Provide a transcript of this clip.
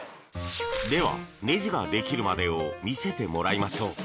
では、ねじができるまでを見せてもらいましょう。